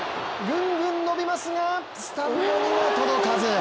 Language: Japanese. ぐんぐん伸びますがスタンドには届かず。